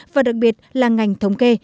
và đặc biệt là ngành thống kê